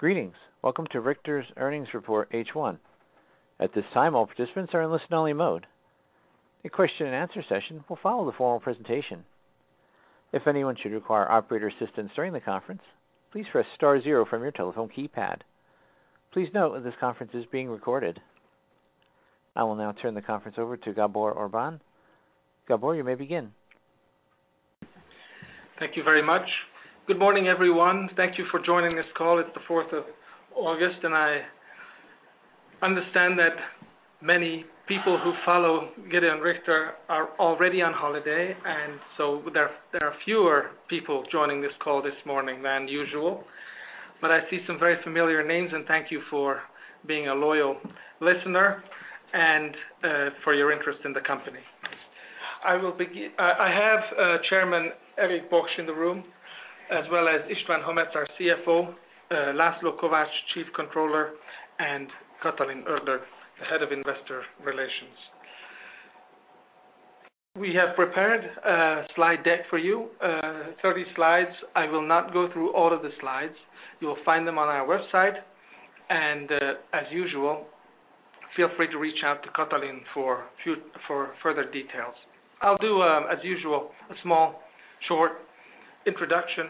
Greetings! Welcome to Richter's Earnings Report H1. At this time, all participants are in listen-only mode. A question-and-answer session will follow the formal presentation. If anyone should require operator assistance during the conference, please press star zero from your telephone keypad. Please note that this conference is being recorded. I will now turn the conference over to Gabor Orban. Gabor, you may begin. Thank you very much. Good morning, everyone. Thank you for joining this call. It's the 4 August. I understand that many people who follow Gedeon Richter are already on holiday, and so there, there are fewer people joining this call this morning than usual. I see some very familiar names, and thank you for being a loyal listener and for your interest in the company. I will begin. I have Chairman Erik Bogsch in the room, as well as István Hamecz, our CFO, Laszlo Kovacs, Chief Controller, and Katalin Erler, the Head of Investor Relations. We have prepared a slide deck for you, 30 slides. I will not go through all of the slides. You will find them on our website, and, as usual, feel free to reach out to Katalin for further details. I'll do as usual, a small, short introduction,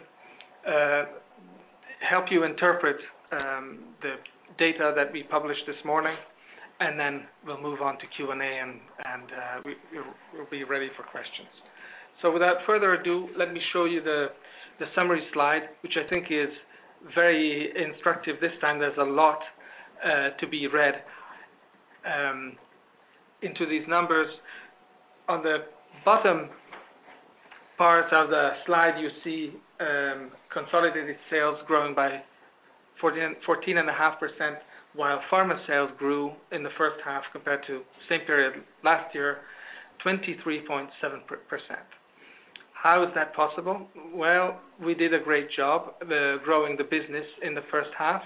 help you interpret the data that we published this morning, and then we'll move on to Q&A, we'll be ready for questions. Without further ado, let me show you the summary slide, which I think is very instructive. This time, there's a lot to be read into these numbers. On the bottom part of the slide, you see consolidated sales growing by 14, 14.5%, while pharma sales grew in the first half compared to the same period last year, 23.7%. How is that possible? Well, we did a great job growing the business in the first half,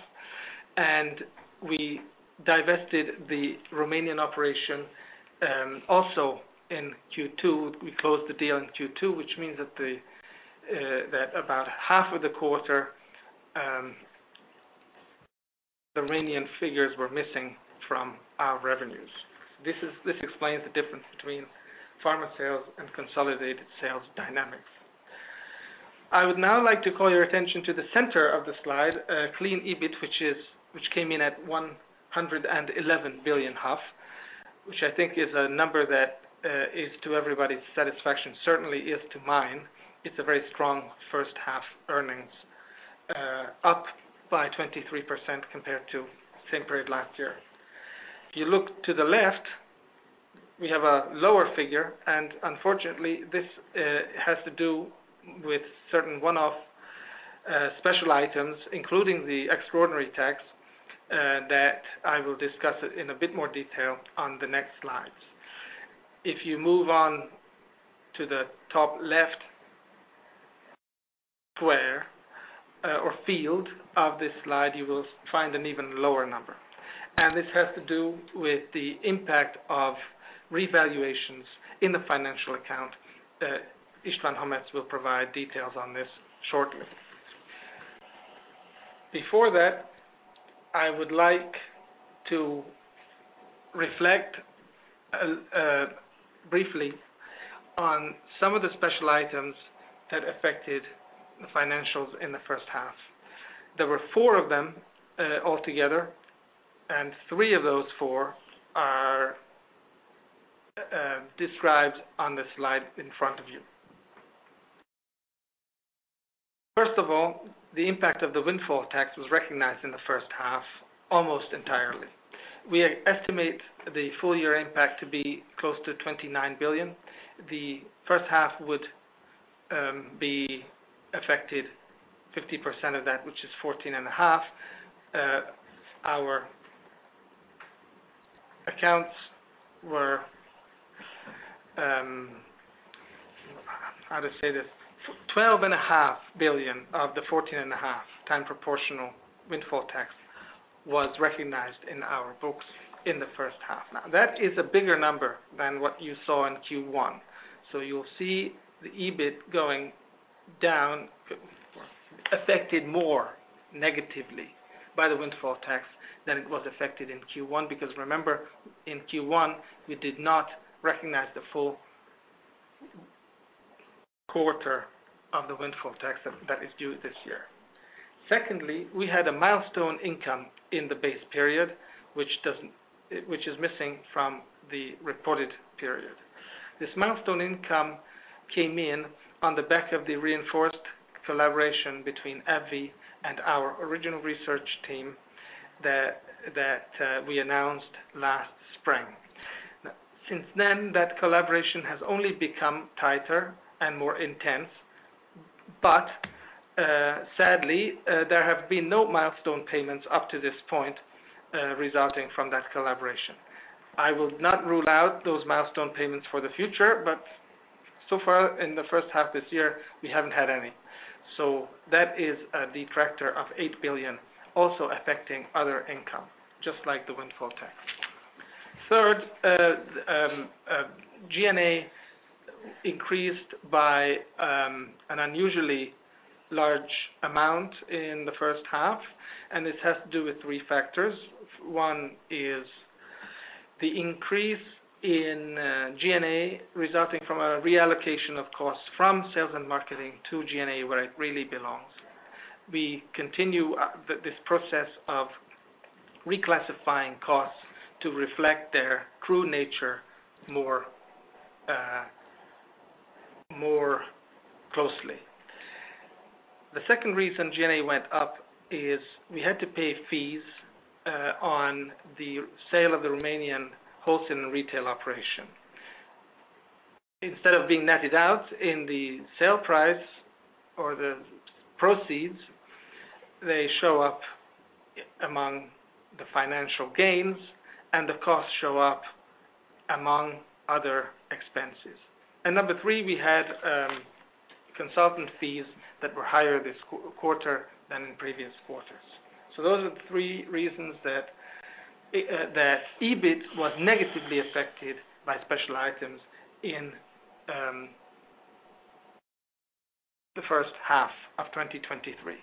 and we divested the Romanian operation also in Q2. We closed the deal in Q2, which means that about half of the quarter, the Romanian figures were missing from our revenues. This explains the difference between pharma sales and consolidated sales dynamics. I would now like to call your attention to the center of the slide, clean EBIT, which came in at 111 billion, which I think is a number that is to everybody's satisfaction. Certainly is to mine. It's a very strong first half earnings, up by 23% compared to the same period last year. If you look to the left, we have a lower figure, and unfortunately, this has to do with certain one-off special items, including the extraordinary tax that I will discuss it in a bit more detail on the next slides. If you move on to the top left square, or field of this slide, you will find an even lower number. This has to do with the impact of revaluations in the financial account. István Hamecz will provide details on this shortly. Before that, I would like to reflect briefly on some of the special items that affected the financials in the first half. There were four of them altogether, and three of those four are described on the slide in front of you. First of all, the impact of the windfall tax was recognized in the first half, almost entirely. We estimate the full-year impact to be close to 29 billion. The first half would be affected 50% of that, which is 14.5 billion. Our accounts were... How to say this? 12.5 billion of the 14.5 time proportional windfall tax was recognized in our books in the first half. That is a bigger number than what you saw in Q1. You'll see the EBIT going down, affected more negatively by the windfall tax than it was affected in Q1. Remember, in Q1, we did not recognize the full quarter of the windfall tax that is due this year. Secondly, we had a milestone income in the base period, which doesn't, which is missing from the reported period. This milestone income came in on the back of the reinforced collaboration between AbbVie and our original research team that we announced last spring. Since then, that collaboration has only become tighter and more intense, sadly, there have been no milestone payments up to this point, resulting from that collaboration. I will not rule out those milestone payments for the future, so far, in the first half of this year, we haven't had any. That is the factor of HUF eightbillion, also affecting other income, just like the windfall tax. Third, G&A increased by an unusually large amount in the first half, this has to do with three factors. One is the increase in G&A, resulting from a reallocation of costs from sales and marketing to G&A, where it really belongs. We continue this process of reclassifying costs to reflect their true nature more closely. The second reason G&A went up is we had to pay fees on the sale of the Romanian wholesale and retail operation. Instead of being netted out in the sale price or the proceeds, they show up among the financial gains, the costs show up among other expenses. Number three, we had consultant fees that were higher this quarter than in previous quarters. Those are the three reasons that EBIT was negatively affected by special items in the first half of 2023.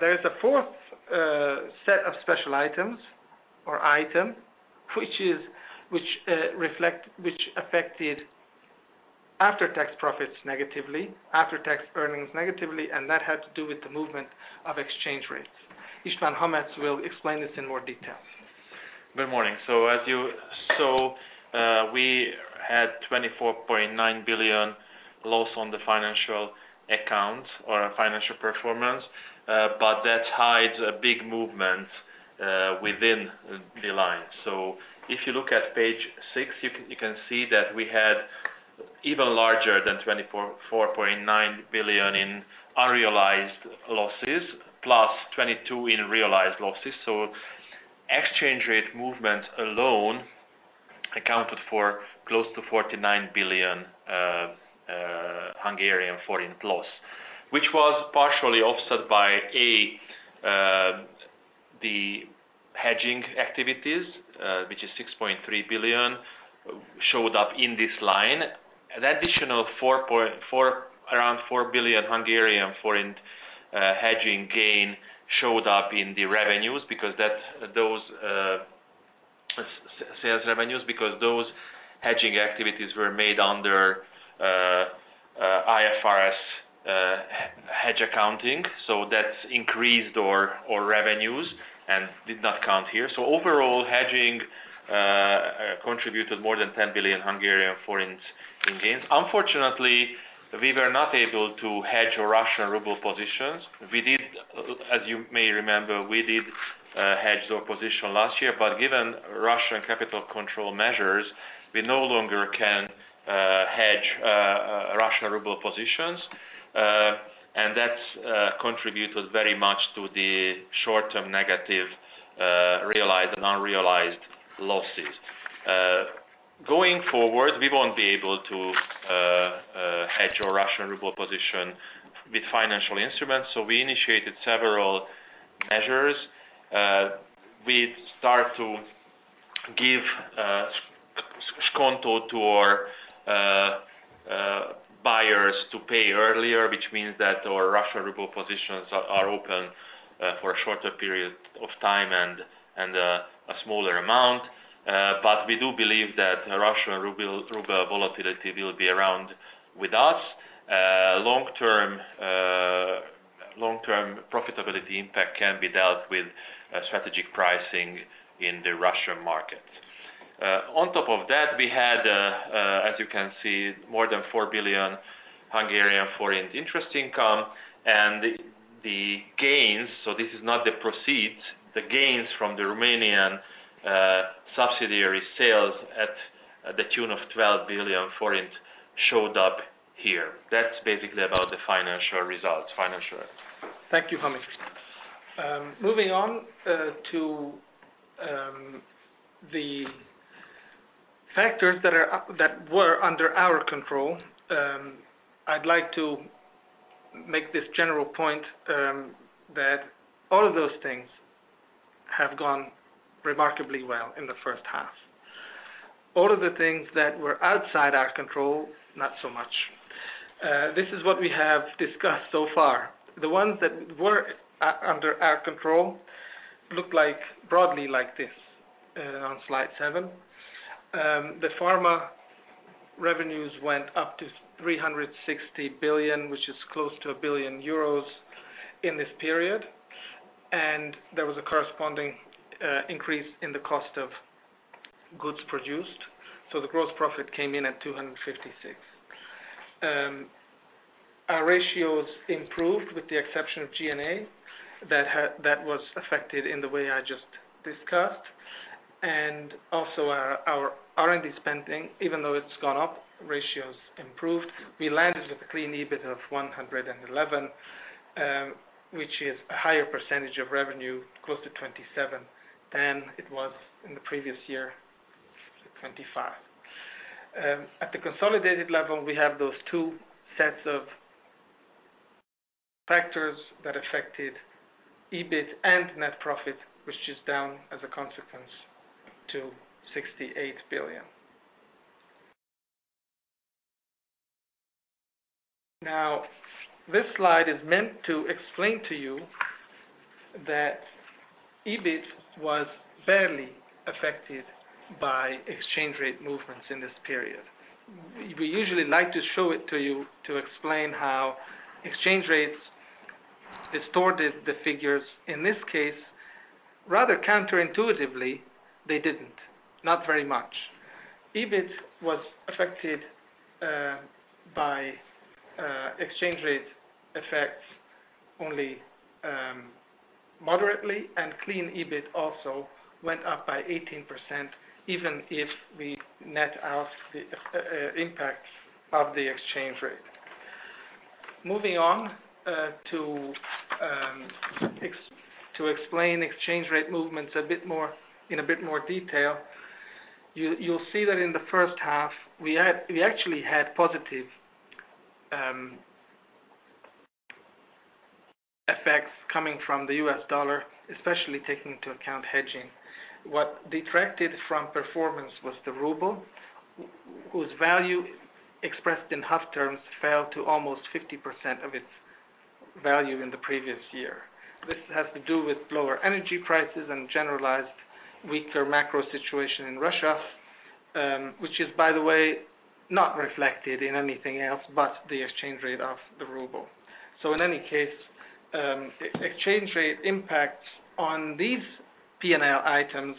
There is a 4th set of special items or item, which affected after-tax profits negatively, after-tax earnings negatively, and that had to do with the movement of exchange rates. István Hamecz will explain this in more detail. Good morning. As you saw, we had 24.9 billion loss on the financial accounts or financial performance, but that hides a big movement within the line. If you look at page six, you can see that we had even larger than 24.9 billion in unrealized losses, plus 22 billion in realized losses. Exchange rate movement alone accounted for close to 49 billion HUF loss, which was partially offset by the hedging activities, which is 6.3 billion, showed up in this line. An additional around four billion Hungarian forint hedging gain showed up in the revenues, because that's those sales revenues, because those hedging activities were made under IFRS hedge accounting, so that's increased our revenues and did not count here. Overall, hedging contributed more than 10 billion in gains. Unfortunately, we were not able to hedge our RUB positions. We did, as you may remember, we did hedge our position last year, but given Russian capital control measures, we no longer can hedge RUB positions. That contributed very much to the short-term negative realized and unrealized losses. Going forward, we won't be able to hedge our Russian ruble position with financial instruments, so we initiated several measures. We start to give sconto to our buyers to pay earlier, which means that our Russian ruble positions are open for a shorter period of time and a smaller amount. We do believe that Russian ruble, ruble volatility will be around with us. Long-term, long-term profitability impact can be dealt with strategic pricing in the Russian market. On top of that, we had, as you can see, more than four billion interest income and the, the gains, so this is not the proceeds, the gains from the Romanian subsidiary sales at the tune of 12 billion showed up here. That's basically about the financial results. Financial. Thank you, Hamecz. Moving on to the factors that are up- that were under our control, I'd like to make this general point that all of those things have gone remarkably well in the first half. All of the things that were outside our control, not so much. This is what we have discussed so far. The ones that were under our control looked like, broadly like this, on slide seven. The pharma revenues went up to 360 billion, which is close to 1 billion euros, in this period, and there was a corresponding increase in the cost of goods produced, so the gross profit came in at 256 billion. Our ratios improved, with the exception of G&A. That had- that was affected in the way I just discussed. Also our, our R&D spending, even though it's gone up, ratios improved. We landed with a clean EBIT of 111 billion, which is a higher percentage of revenue, close to 27%, than it was in the previous year, 25%. At the consolidated level, we have those two sets of factors that affected EBIT and net profit, which is down as a consequence to 68 billion. This slide is meant to explain to you that EBIT was barely affected by exchange rate movements in this period. We usually like to show it to you to explain how exchange rates distorted the figures. In this case, rather counterintuitively, they didn't, not very much. EBIT was affected by exchange rate effects only moderately, and clean EBIT also went up by 18%, even if we net out the impact of the exchange rate. Moving on, to explain exchange rate movements a bit more, in a bit more detail, you, you'll see that in the first half, we actually had positive effects coming from the US dollar, especially taking into account hedging. What detracted from performance was the ruble, whose value expressed in half terms, fell to almost 50% of its value in the previous year. This has to do with lower energy prices and generalized weaker macro situation in Russia, which is, by the way, not reflected in anything else but the exchange rate of the ruble. In any case, exchange rate impacts on these PNL items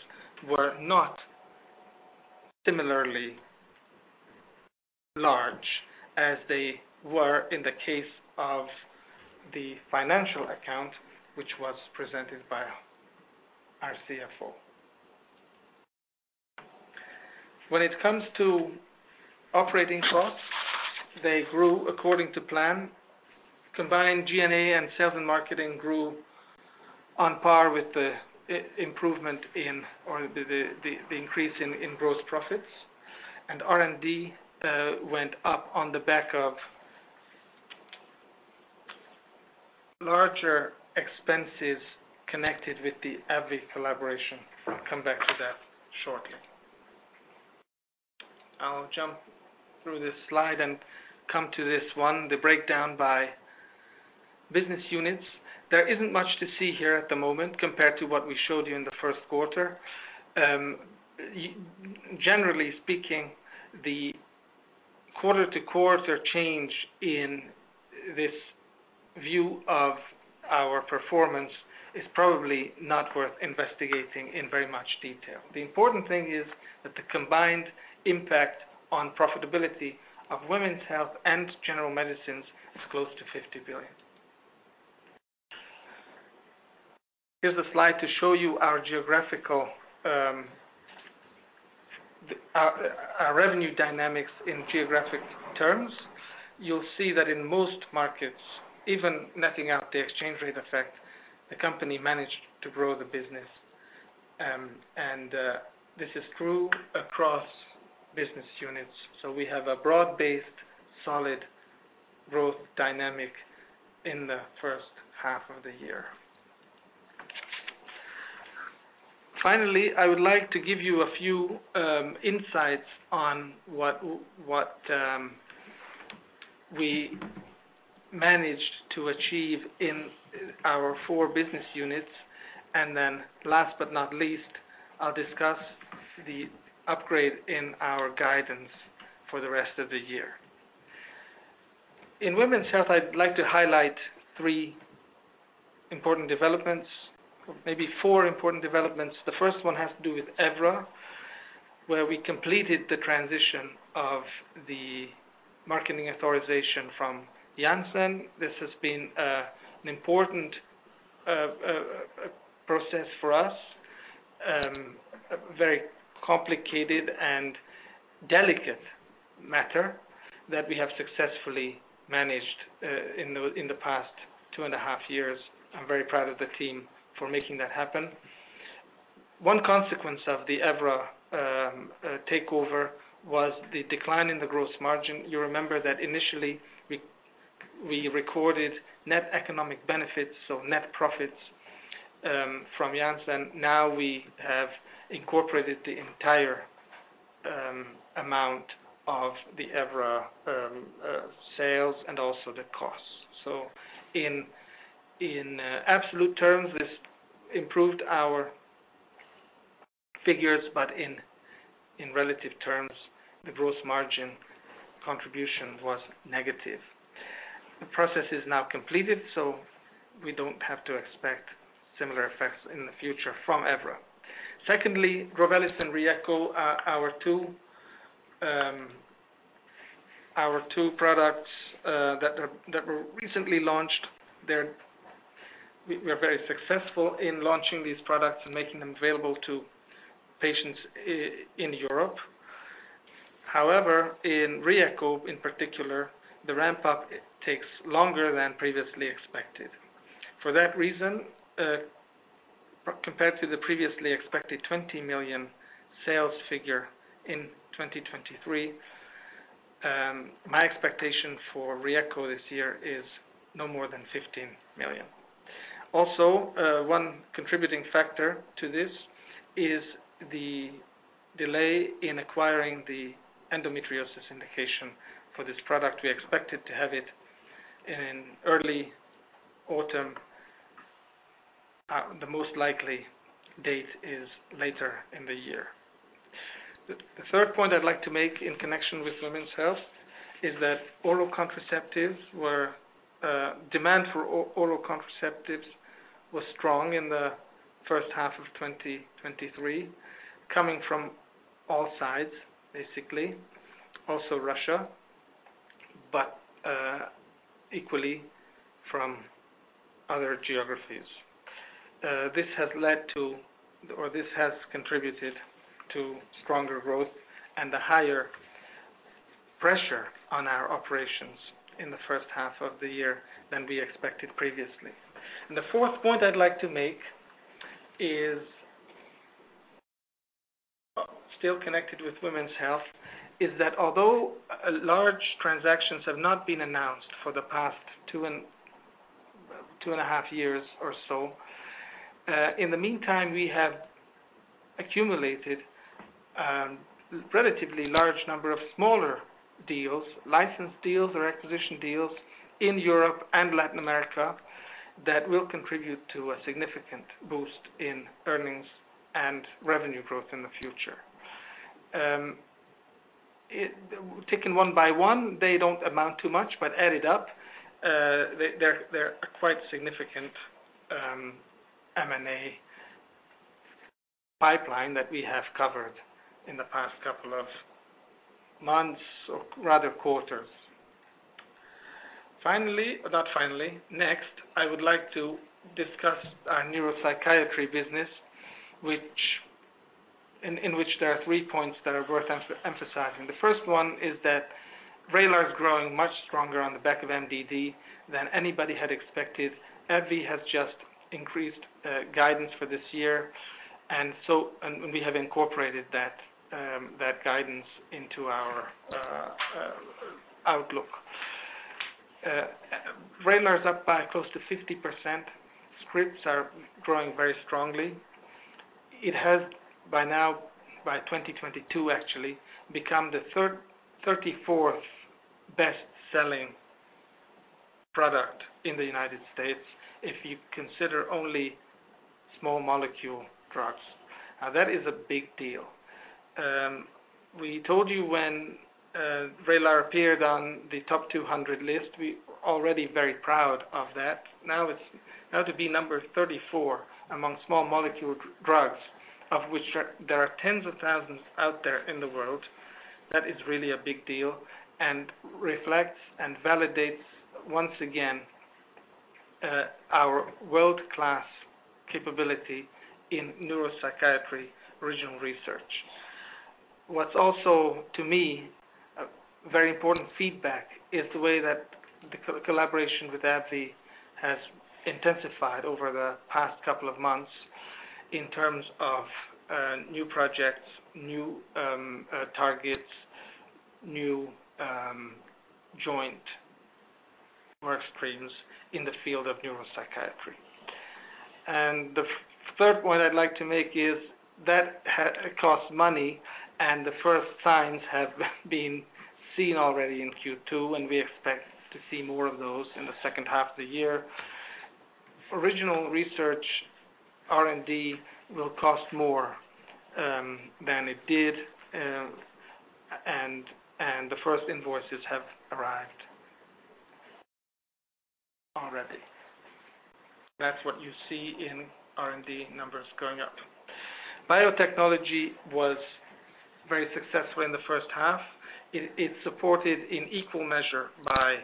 were not similarly large as they were in the case of the financial account, which was presented by our CFO. When it comes to operating costs, they grew according to plan. Combined G&A and sales and marketing grew on par with the improvement in or the increase in gross profits, R&D went up on the back of larger expenses connected with the AbbVie collaboration. I'll come back to that shortly. I'll jump through this slide and come to this one, the breakdown by business units. There isn't much to see here at the moment compared to what we showed you in the Q1. Generally speaking, the quarter-to-quarter change in this view of our performance is probably not worth investigating in very much detail. The important thing is that the combined impact on profitability of women's health and general medicines is close to 50 billion. Here's a slide to show you our geographical, our revenue dynamics in geographic terms. You'll see that in most markets, even netting out the exchange rate effect, the company managed to grow the business, and this is true across business units. We have a broad-based, solid growth dynamic in the first half of the year. Finally, I would like to give you a few insights on what we managed to achieve in our 4 business units. Last but not least, I'll discuss the upgrade in our guidance for the rest of the year. In women's health, I'd like to highlight 3 important developments, maybe 4 important developments. The first one has to do with Evra, where we completed the transition of the marketing authorization from Janssen. This has been an important process for us, a very complicated and delicate matter that we have successfully managed in the past two and a half years. I'm very proud of the team for making that happen. One consequence of the Evra takeover was the decline in the gross margin. You remember that initially, we recorded net economic benefits, so net profits from Janssen. Now we have incorporated the entire amount of the Evra sales and also the costs. In absolute terms, this improved our figures, but in relative terms, the gross margin contribution was negative. The process is now completed, so we don't have to expect similar effects in the future from Evra. Secondly, Drovelis and RYEQO are our two, our two products, that were recently launched. We are very successful in launching these products and making them available to patients in Europe. However, in RYEQO, in particular, the ramp-up takes longer than previously expected. For that reason, compared to the previously expected 20 million sales figure in 2023, my expectation for RYEQO this year is no more than 15 million. One contributing factor to this is the delay in acquiring the endometriosis indication for this product. We expected to have it in early autumn. The most likely date is later in the year. The third point I'd like to make in connection with women's health, is that oral contraceptives were, demand for oral contraceptives was strong in the first half of 2023, coming from all sides, basically, also Russia, but equally from other geographies. This has led to, or this has contributed to stronger growth and a higher pressure on our operations in the first half of the year than we expected previously. The fourth point I'd like to make is, still connected with women's health, is that although large transactions have not been announced for the past two and a half years or so, in the meantime, we have accumulated, relatively large number of smaller deals, license deals, or acquisition deals in Europe and Latin America, that will contribute to a significant boost in earnings and revenue growth in the future. Taken one by one, they don't amount to much, but added up, they're a quite significant M&A pipeline that we have covered in the past couple of months or rather, quarters. Finally, not finally. Next, I would like to discuss our neuropsychiatry business, in which there are three points that are worth emphasizing. The first one is that Vraylar is growing much stronger on the back of MDD than anybody had expected. AbbVie has just increased guidance for this year, and so, and, and we have incorporated that guidance into our outlook. Vraylar is up by close to 50%. Scripts are growing very strongly. It has, by now, by 2022, actually, become the 34th best-selling product in the United States, if you consider only small molecule drugs. Now, that is a big deal. We told you when Vraylar appeared on the top 200 list, we already very proud of that. Now, to be number 34 among small molecule drugs, of which there, there are tens of thousands out there in the world, that is really a big deal, and reflects and validates, once again, our world-class capability in neuropsychiatry original research. What's also, to me, a very important feedback, is the way that the collaboration with AbbVie has intensified over the past couple of months in terms of new projects, new targets, new joint work streams in the field of neuropsychiatry. The third point I'd like to make is that it costs money, and the first signs have been seen already in Q2, and we expect to see more of those in the second half of the year. Original research, R&D, will cost more than it did, and the first invoices have arrived already. That's what you see in R&D numbers going up. Biotechnology was very successful in the first half. It's supported in equal measure by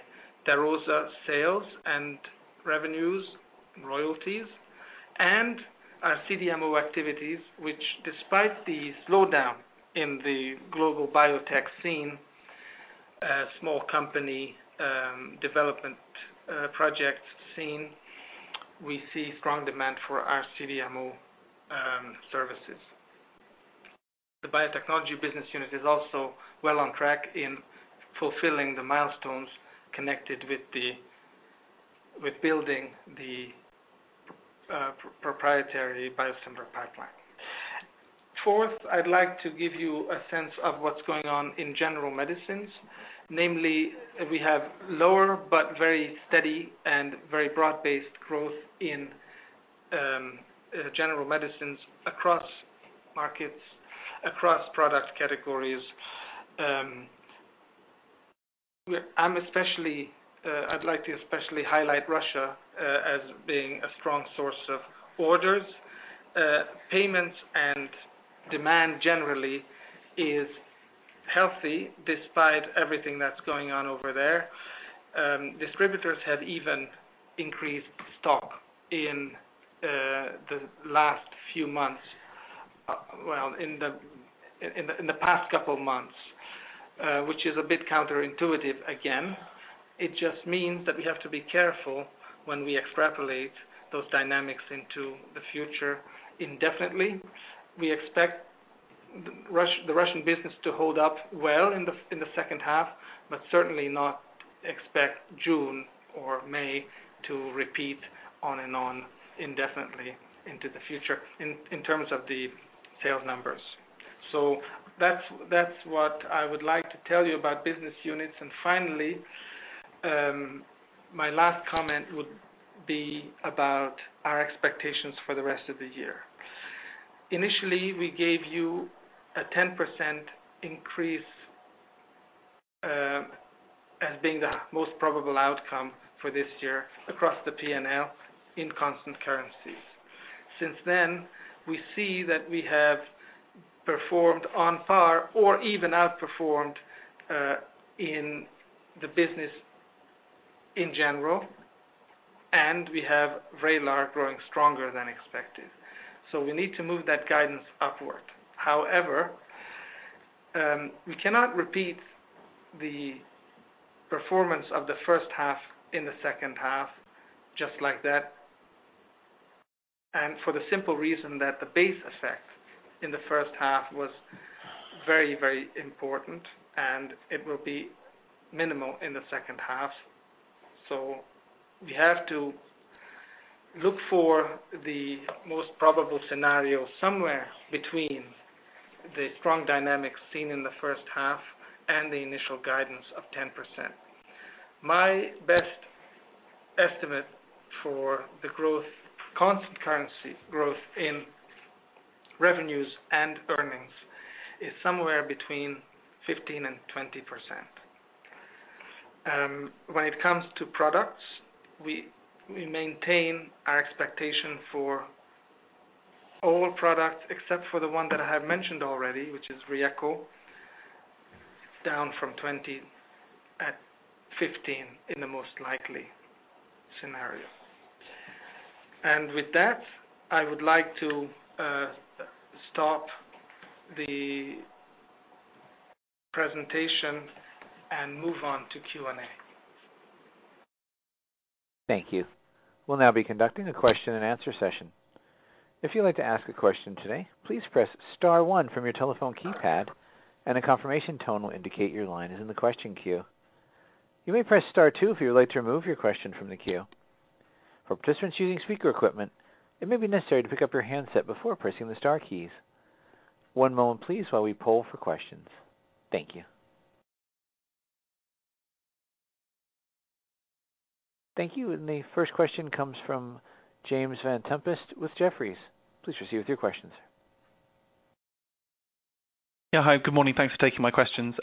Terrosa sales and revenues, royalties, and our CDMO activities, which despite the slowdown in the global biotech scene, small company, development, project scene, we see strong demand for our CDMO services. The biotechnology business unit is also well on track in fulfilling the milestones connected with building the proprietary biosimilar pipeline. Fourth, I'd like to give you a sense of what's going on in general medicines. Namely, we have lower, but very steady and very broad-based growth in general medicines across markets, across product categories. I'm especially, I'd like to especially highlight Russia as being a strong source of orders. Payments and demand generally is healthy, despite everything that's going on over there. Distributors have even increased stock in the last few months, well, in the, in the, in the past couple months, which is a bit counterintuitive again. It just means that we have to be careful when we extrapolate those dynamics into the future indefinitely. We expect the Russian business to hold up well in the second half, but certainly not expect June or May to repeat on and on indefinitely into the future, in terms of the sales numbers. That's, that's what I would like to tell you about business units. Finally, my last comment would be about our expectations for the rest of the year. Initially, we gave you a 10% increase as being the most probable outcome for this year across the PNL in constant currencies. Since then, we see that we have performed on par or even outperformed in the business in general, and we have very large growing stronger than expected. We need to move that guidance upward. However, we cannot repeat the performance of the first half in the second half, just like that. For the simple reason that the base effect in the first half was very, very important, and it will be minimal in the second half. We have to look for the most probable scenario, somewhere between the strong dynamics seen in the first half and the initial guidance of 10%. My best estimate for the growth, constant currency growth in revenues and earnings, is somewhere between 15% and 20%. When it comes to products, we, we maintain our expectation for all products, except for the one that I have mentioned already, which is RYEQO, down from 20 at 15 in the most likely scenario. With that, I would like to stop the presentation and move on to Q&A. Thank you. We'll now be conducting a question and answer session. If you'd like to ask a question today, please press star one from your telephone keypad, and a confirmation tone will indicate your line is in the question queue. You may press star two if you would like to remove your question from the queue. For participants using speaker equipment, it may be necessary to pick up your handset before pressing the star keys. One moment, please, while we pull for questions. Thank you. Thank you. The first question comes from James Vane-Tempest with Jefferies. Please proceed with your questions. Hey Good morning. Thanks for taking my questions.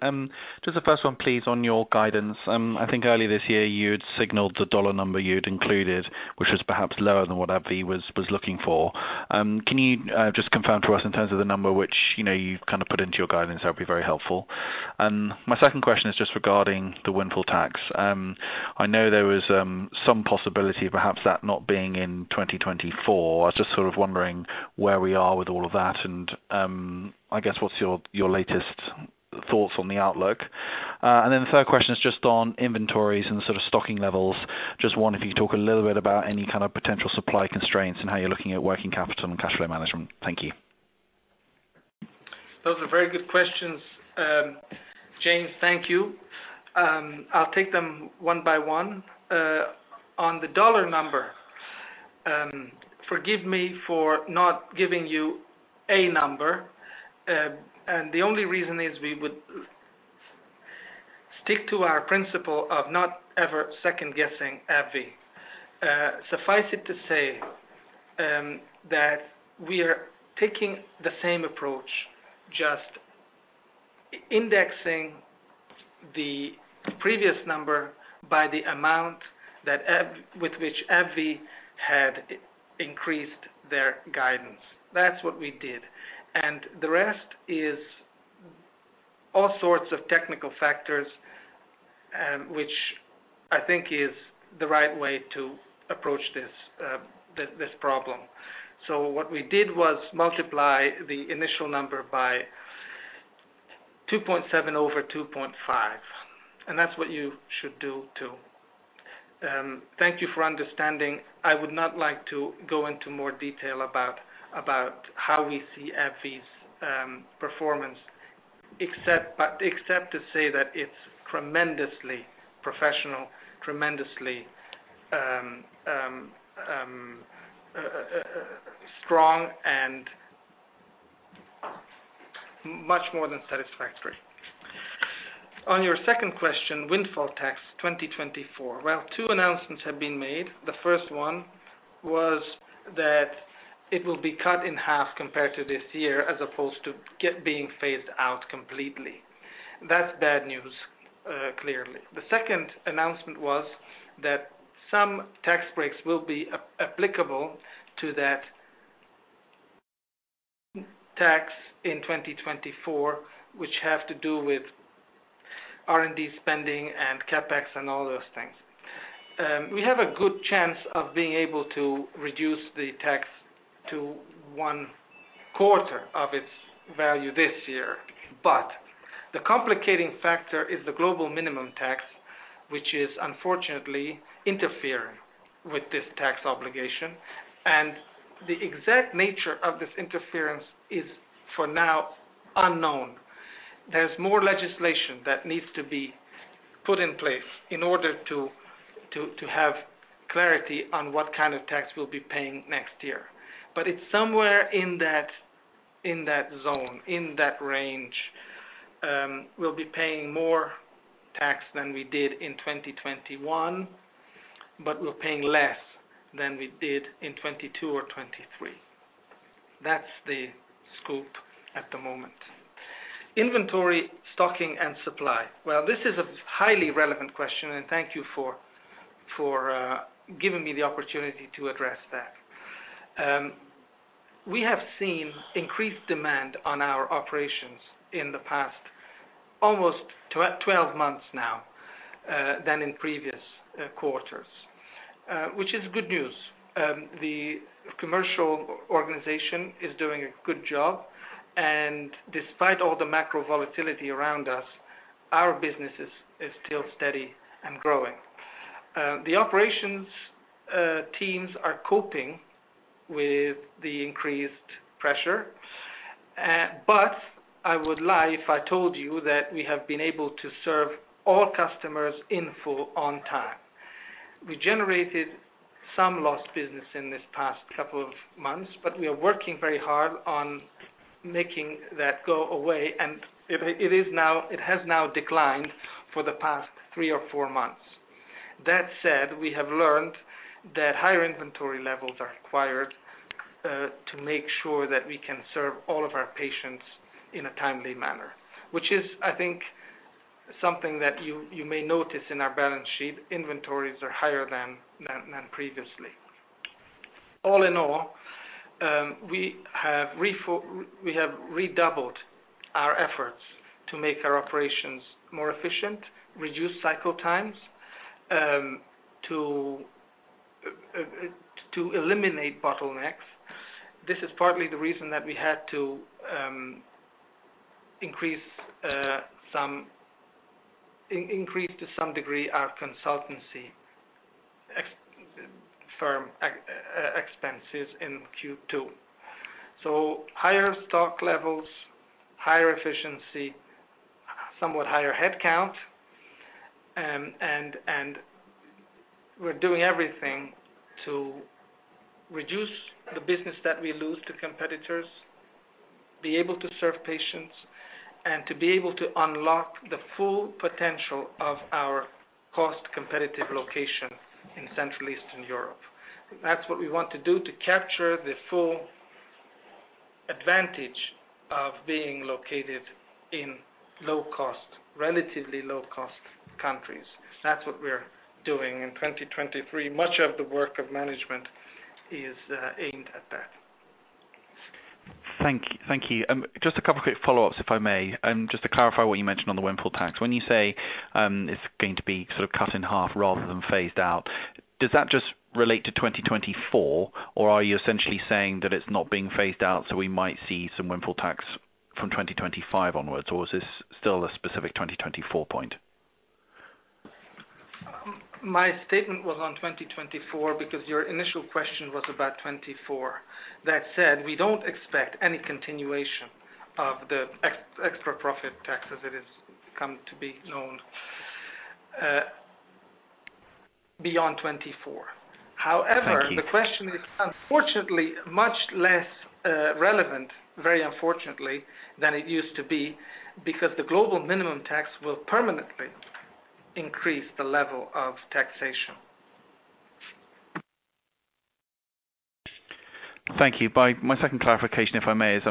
Just the first one, please, on your guidance. I think earlier this year, you had signaled the dollar number you'd included, which was perhaps lower than what AbbVie was looking for. Can you just confirm to us in terms of the number which, you know, you kind of put into your guidance, that would be very helpful. My second question is just regarding the windfall tax. I know there was some possibility perhaps that not being in 2024. I was just sort of wondering where we are with all of that, and, I guess, what's your, your latest thoughts on the outlook? Then the third question is just on inventories and sort of stocking levels. Just wonder if you could talk a little bit about any kind of potential supply constraints and how you're looking at working capital and cash flow management. Thank you. Those are very good questions, James, thank you. I'll take them one by one. On the dollar number, forgive me for not giving you a number, and the only reason is we would stick to our principle of not ever second-guessing AbbVie. Suffice it to say, that we are taking the same approach, just indexing the previous number by the amount that AbbVie with which AbbVie had increased their guidance. That's what we did. The rest is all sorts of technical factors, which I think is the right way to approach this, this, this problem. What we did was multiply the initial number by 2.7 over 2.5, and that's what you should do, too. Thank you for understanding. I would not like to go into more detail about, about how we see AbbVie's performance, except to say that it's tremendously professional, tremendously strong and much more than satisfactory. On your second question, windfall tax 2024. Two announcements have been made. The first one was that it will be cut in half compared to this year, as opposed to being phased out completely. That's bad news, clearly. The second announcement was that some tax breaks will be applicable to that tax in 2024, which have to do with R&D spending and CapEx and all those things. We have a good chance of being able to reduce the tax to one quarter of its value this year. The complicating factor is the global minimum tax, which is unfortunately interfering with this tax obligation. The exact nature of this interference is, for now, unknown. There's more legislation that needs to be put in place in order to have clarity on what kind of tax we'll be paying next year. It's somewhere in that, in that zone, in that range. We'll be paying more tax than we did in 2021, but we're paying less than we did in 2022 or 2023. That's the scope at the moment. Inventory, stocking, and supply. Well, this is a highly relevant question, and thank you for giving me the opportunity to address that. We have seen increased demand on our operations in the past, almost 12 months now, than in previous quarters, which is good news. The commercial organization is doing a good job, and despite all the macro volatility around us, our business is still steady and growing. The operations teams are coping with the increased pressure, but I would lie if I told you that we have been able to serve all customers in full on time. We generated some lost business in this past couple of months, but we are working very hard on making that go away, and it has now declined for the past three or four months. That said, we have learned that higher inventory levels are required to make sure that we can serve all of our patients in a timely manner, which is, I think, something that you may notice in our balance sheet. Inventories are higher than previously. All in all, we have redoubled our efforts to make our operations more efficient, reduce cycle times, to eliminate bottlenecks. This is partly the reason that we had to increase to some degree our consultancy firm expenses in Q2. Higher stock levels, higher efficiency, somewhat higher headcount, and we're doing everything to reduce the business that we lose to competitors, be able to serve patients, and to be able to unlock the full potential of our cost-competitive location in Central Eastern Europe. That's what we want to do to capture the full advantage of being located in low cost, relatively low-cost countries. That's what we're doing in 2023. Much of the work of management is aimed at that. Thank, thank you. Just a couple quick follow-ups, if I may. Just to clarify what you mentioned on the windfall tax. When you say, it's going to be sort of cut in half rather than phased out, does that just relate to 2024, or are you essentially saying that it's not being phased out, so we might see some windfall tax from 2025 onwards, or is this still a specific 2024 point? My statement was on 2024 because your initial question was about 24. That said, we don't expect any continuation of the extra profit tax, as it has come to be known, beyond 24. Thank you. However, the question is unfortunately much less relevant, very unfortunately, than it used to be, because the global minimum tax will permanently increase the level of taxation. Thank you. My second clarification, if I may, is,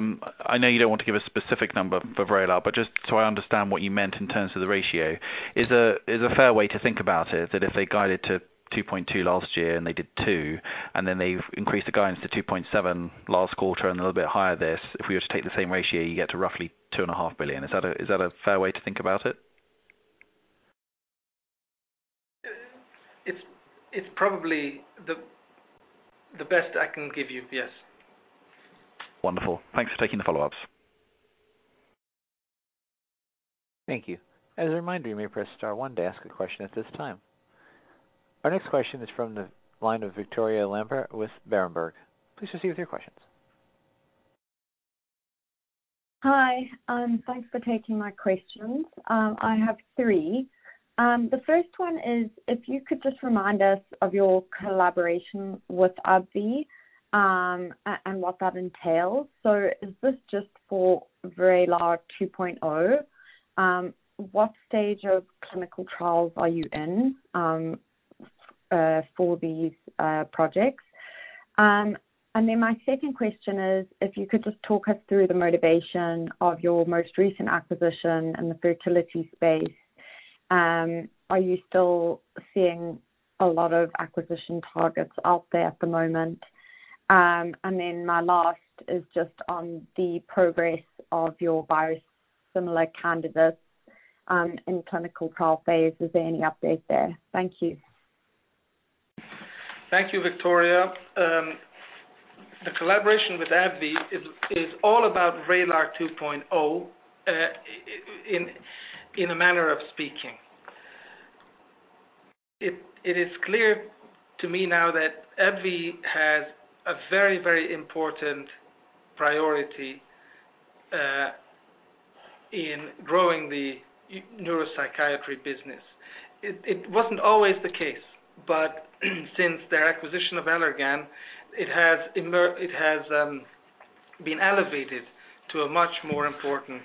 I know you don't want to give a specific number for Vraylar, but just so I understand what you meant in terms of the ratio. Is a, is a fair way to think about it, that if they guided to $2.2 last year, and they did $2, and then they've increased the guidance to $2.7 last quarter and a little bit higher this, if we were to take the same ratio, you get to roughly $2.5 billion? Is that a, is that a fair way to think about it? It's, it's probably the, the best I can give you, yes. Wonderful. Thanks for taking the follow-ups. Thank you. As a reminder, you may press star one to ask a question at this time. Our next question is from the line of Victoria Lambert with Berenberg. Please proceed with your questions. Hi, thanks for taking my questions. I have three. The first one is, if you could just remind us of your collaboration with AbbVie and what that entails. Is this just for Vraylar 2.0? What stage of clinical trials are you in for these projects? My second question is, if you could just talk us through the motivation of your most recent acquisition in the fertility space. Are you still seeing a lot of acquisition targets out there at the moment? My last is just on the progress of your biosimilar candidates in clinical trial phase. Is there any update there? Thank you. Thank you, Victoria. The collaboration with AbbVie is, is all about Reagila 2.0 in, in a manner of speaking. It, it is clear to me now that AbbVie has a very, very important priority in growing the neuropsychiatry business. It, it wasn't always the case. Since their acquisition of Allergan, it has it has been elevated to a much more important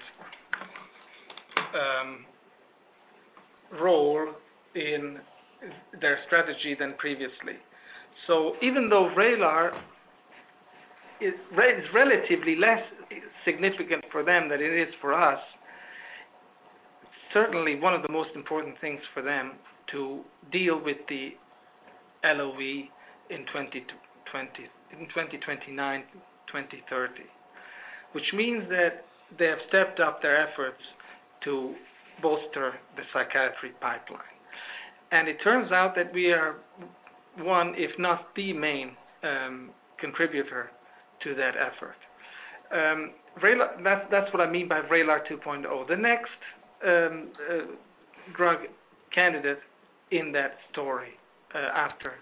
role in their strategy than previously. Even though Reagila is is relatively less significant for them than it is for us, certainly one of the most important things for them to deal with the LoE in 2029, 2030. Which means that they have stepped up their efforts to bolster the psychiatry pipeline. It turns out that we are one, if not the main, contributor to that effort. Reagila, that's, that's what I mean by Reagila 2.0. The next drug candidate in that story, after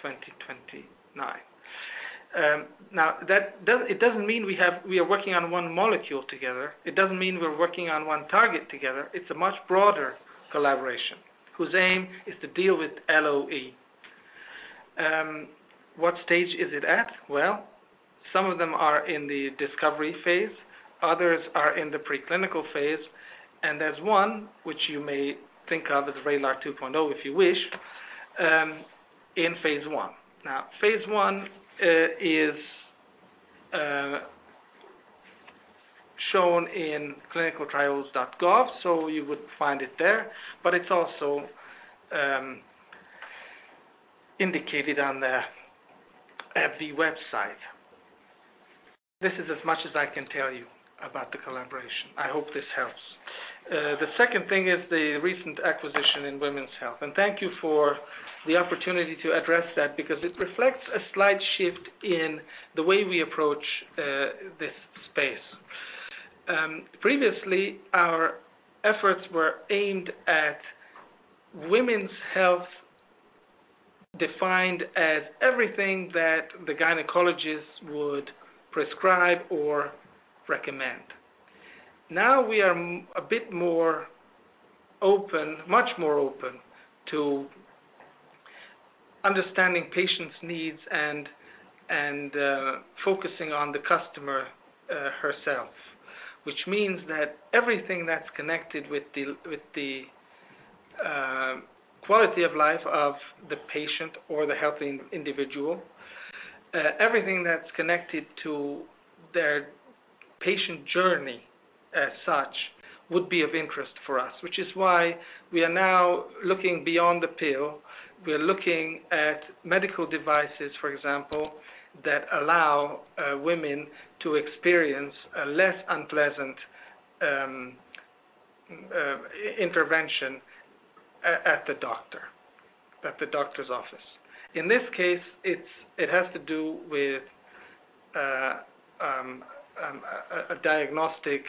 2029. Now, that doesn't mean we have- we are working on one molecule together. It doesn't mean we're working on one target together. It's a much broader collaboration, whose aim is to deal with LoE. What stage is it at? Well, some of them are in the discovery phase, others are in the preclinical phase, and there's one which you may think of as Reagila 2.0, if you wish, in phase I. Now, phase I is shown in ClinicalTrials.gov, so you would find it there, but it's also indicated on the, at the website. This is as much as I can tell you about the collaboration. I hope this helps. The second thing is the recent acquisition in women's health, and thank you for the opportunity to address that, because it reflects a slight shift in the way we approach this space. Previously, our efforts were aimed at women's health, defined as everything that the gynecologist would prescribe or recommend. Now we are a bit more open, much more open, to understanding patients' needs and, and focusing on the customer herself. Which means that everything that's connected with the, with the quality of life of the patient or the healthy individual, everything that's connected to their patient journey as such, would be of interest for us. Which is why we are now looking beyond the pill. We are looking at medical devices, for example, that allow women to experience a less unpleasant intervention at the doctor, at the doctor's office. In this case, it has to do with a diagnostic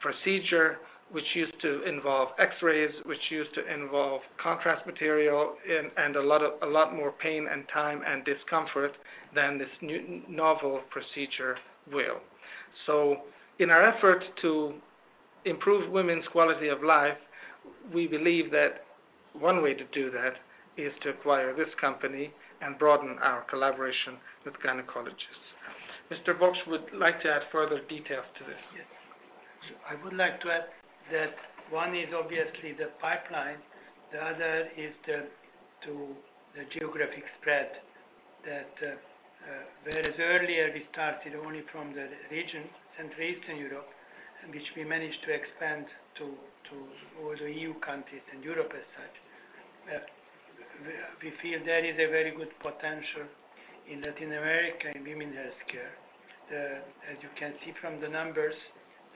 procedure, which used to involve X-rays, which used to involve contrast material and, and a lot of, a lot more pain and time and discomfort than this new novel procedure will. In our effort to improve women's quality of life, we believe that one way to do that is to acquire this company and broaden our collaboration with gynecologists. Mr. Bogsch would like to add further details to this. Yes. I would like to add that one is obviously the pipeline, the other is the, to the geographic spread. That, whereas earlier we started only from the region, Central Eastern Europe, which we managed to expand to all the EU countries and Europe as such, we feel there is a very good potential in Latin America, in women healthcare. The, as you can see from the numbers,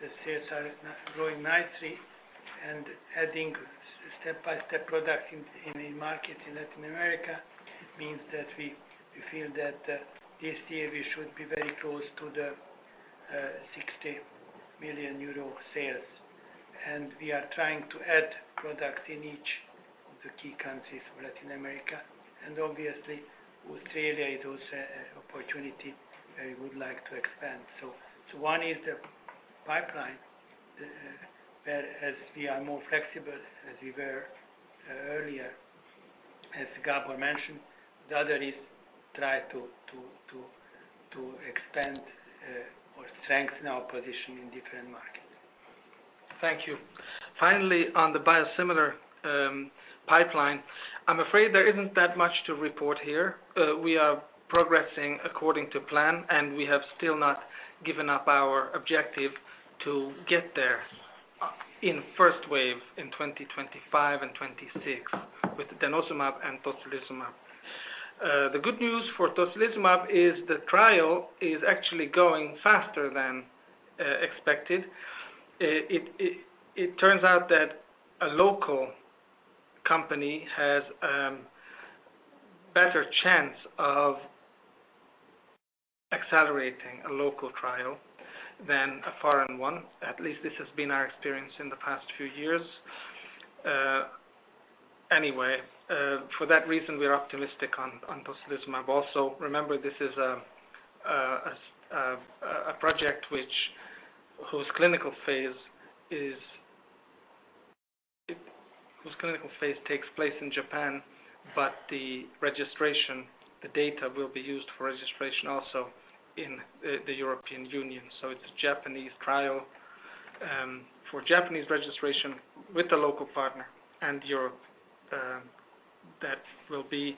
the sales are growing nicely, and adding step-by-step product in, in a market in Latin America means that we, we feel that this year we should be very close to the 60 million euro sales. We are trying to add product in each of the key countries of Latin America, and obviously Australia, it was an opportunity I would like to expand. So one is the pipeline, where as we are more flexible as we were earlier, as Gabor mentioned, the other is try to expand or strengthen our position in different markets. Thank you. Finally, on the biosimilar pipeline, I'm afraid there isn't that much to report here. We are progressing according to plan, and we have still not given up our objective to get there.... in first wave in 2025 and 2026, with denosumab and tocilizumab. The good news for tocilizumab is the trial is actually going faster than expected. It turns out that a local company has better chance of accelerating a local trial than a foreign one. At least this has been our experience in the past few years. Anyway, for that reason, we are optimistic on tocilizumab. Also, remember, this is a project which, whose clinical phase takes place in Japan, but the registration, the data will be used for registration also in the European Union. It's a Japanese trial, for Japanese registration with a local partner and Europe, that will be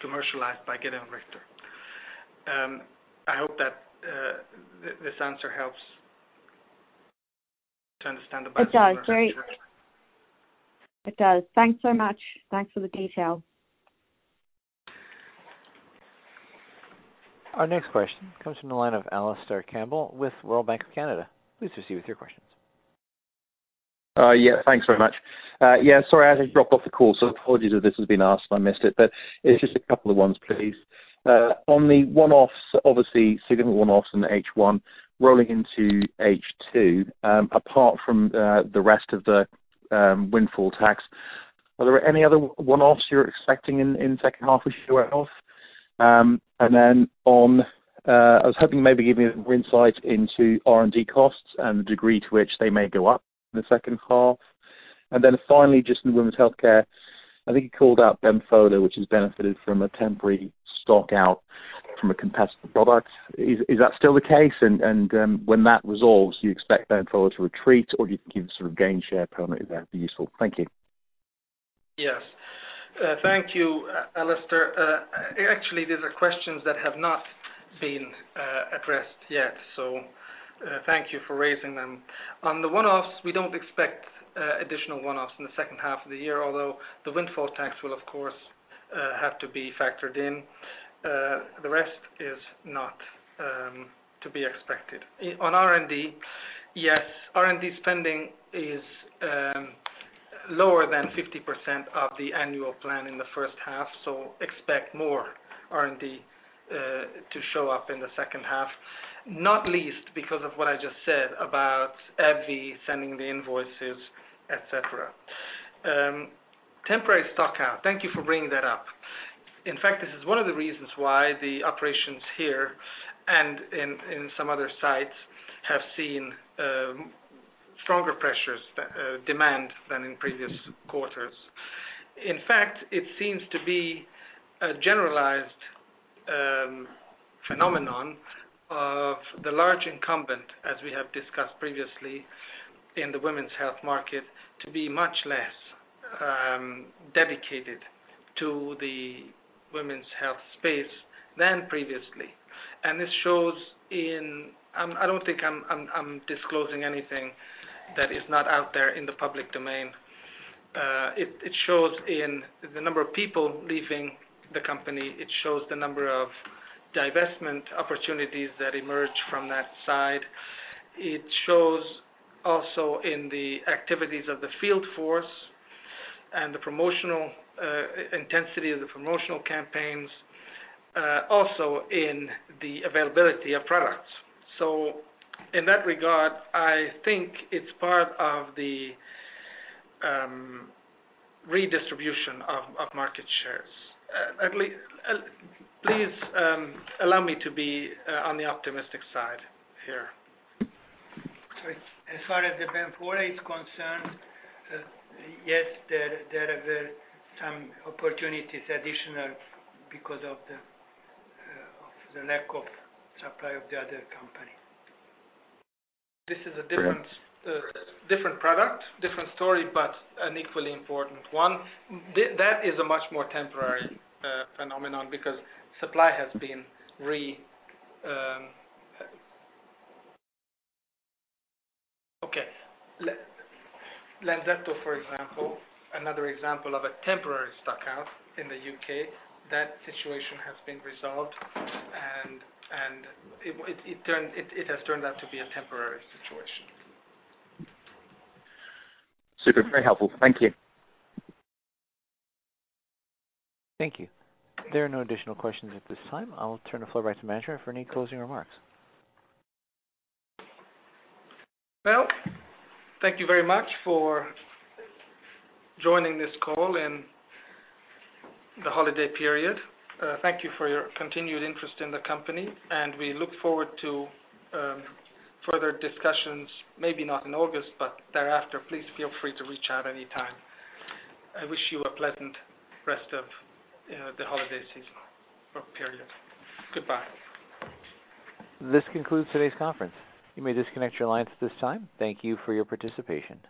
commercialized by Gedeon Richter. I hope that, this answer helps to understand about- It does. Great. It does. Thanks so much. Thanks for the detail. Our next question comes from the line of Alistair Campbell with Royal Bank of Canada. Please proceed with your questions. Thanks very much. Sorry, I just dropped off the call, so apologies if this has been asked and I missed it, but it's just a couple of ones, please. On the one-offs, obviously, significant one-offs in H1 rolling into H2. Apart from the rest of the windfall tax, are there any other one-offs you're expecting in the second half, which you went off? I was hoping you'd maybe give me an insight into R&D costs and the degree to which they may go up in the second half. Finally, just in the women's healthcare, I think you called out Bemfola, which has benefited from a temporary stock out from a competitive product. Is that still the case? When that resolves, do you expect Bemfola to retreat, or do you think you can sort of gain share permanently? That'd be useful. Thank you. Yes. Thank you, Alistair. Actually, these are questions that have not been addressed yet, so thank you for raising them. On the one-offs, we don't expect additional one-offs in the second half of the year, although the windfall tax will, of course, have to be factored in. The rest is not to be expected. On R&D, yes, R&D spending is lower than 50% of the annual plan in the first half, so expect more R&D to show up in the second half, not least because of what I just said about Evra sending the invoices, et cetera. Temporary stock out. Thank you for bringing that up. In fact, this is one of the reasons why the operations here and in, in some other sites have seen stronger pressures, demand than in previous quarters. In fact, it seems to be a generalized phenomenon of the large incumbent, as we have discussed previously, in the women's health market, to be much less dedicated to the women's health space than previously. This shows in. I don't think I'm disclosing anything that is not out there in the public domain. It shows in the number of people leaving the company. It shows the number of divestment opportunities that emerge from that side. It shows also in the activities of the field force and the promotional intensity of the promotional campaigns, also in the availability of products. In that regard, I think it's part of the redistribution of market shares. At least, please, allow me to be on the optimistic side here. As far as the Bemfola is concerned, yes, there, there were some opportunities additional because of the lack of supply of the other company. This is a different, different product, different story, but an equally important one. That is a much more temporary phenomenon because supply has been re. Okay. Lenzetto, for example, another example of a temporary stock out in the UK. That situation has been resolved, and it has turned out to be a temporary situation. Super, very helpful. Thank you. Thank you. There are no additional questions at this time. I'll turn the floor back to manager for any closing remarks. Well, thank you very much for joining this call in the holiday period. Thank you for your continued interest in the company, and we look forward to further discussions, maybe not in August, but thereafter. Please feel free to reach out anytime. I wish you a pleasant rest of the holiday season or period. Goodbye. This concludes today's conference. You may disconnect your lines at this time. Thank you for your participation.